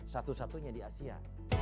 satu satunya di asia